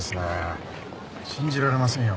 信じられませんよ